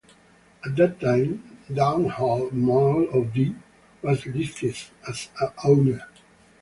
At that time, Domhnall Maol O'Dea was listed as owner.